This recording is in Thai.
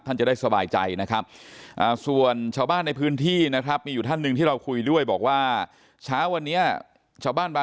ซึ่งจะได้สบายใจนะครับส่วนชาวบ้านในพื้นที่นะครับ